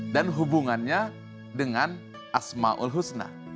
dan hubungannya dengan asma'ul husna